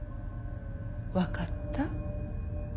分かった？